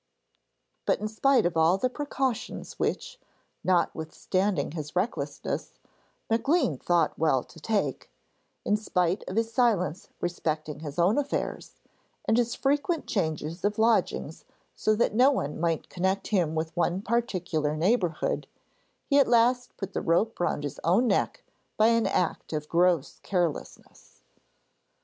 But in spite of all the precautions which, notwithstanding his recklessness, Maclean thought well to take in spite of his silence respecting his own affairs, and his frequent changes of lodgings so that no one might connect him with one particular neighbourhood, he at last put the rope round his own neck by an act of gross carelessness.